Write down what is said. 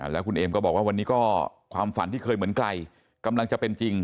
แล้วคุณเอมก็บอกว่าวันนี้ก็ความฝันที่เคยเหมือนไกลกำลังจะเป็นจริง